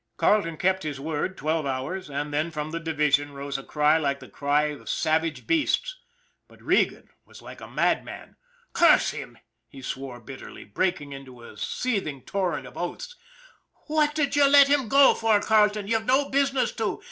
Carleton kept his word twelve hours and then from the division rose a cry like the cry of savage beasts ; but Regan was like a madman. " Curse him !" he swore bitterly, breaking into a seething torrent of oaths. " What did you let him go for, Carleton? You'd no business to.